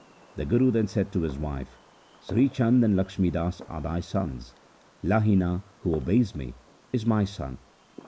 The Guru then said to his wife, ' Sri Chand and Lakhmi Das are thy sons ; Lahina, who obeys me, is my son.'